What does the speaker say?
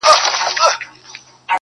• سمدلاه یې و سپي ته قبر جوړ کی,